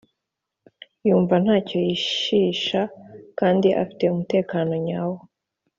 yumva ntacyo yishisha kandi afite umutekano nyawo